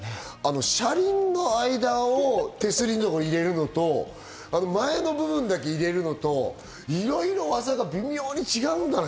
車輪の間を手すりのところに入れるのと、前の部分だけ入れるのと、いろいろ技が微妙に違うんだね。